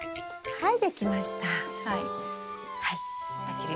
はい。